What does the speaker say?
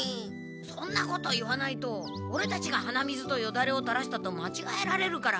そんなこと言わないとオレたちが鼻水とよだれをたらしたとまちがえられるから。